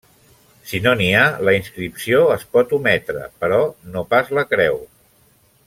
Si no n'hi ha, la inscripció es pot ometre, però no pas la creu.